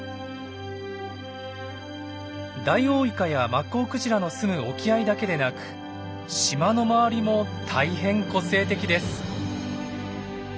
ダイオウイカやマッコウクジラのすむ沖合だけでなく島の周りも大変個性的です。